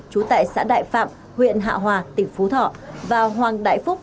trú tại xã đại phạm huyện hạ hòa tỉnh phú thọ và hoàng đại phúc